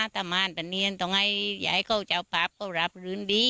ทำงานเปล่าต้องให้โจขปับรีดี